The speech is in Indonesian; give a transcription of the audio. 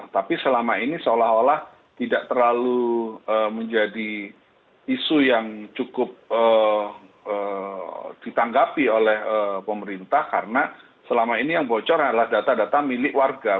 tapi selama ini seolah olah tidak terlalu menjadi isu yang cukup ditanggapi oleh pemerintah karena selama ini yang bocor adalah data data milik warga